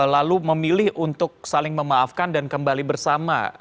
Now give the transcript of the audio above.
lalu memilih untuk saling memaafkan dan kembali bersama